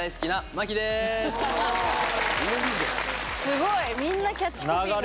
すごいみんなキャッチコピーが。